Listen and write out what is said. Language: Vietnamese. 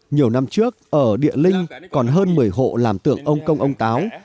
nhiều năm trước ở địa linh còn hơn một mươi hộ làm tượng ông công ông táo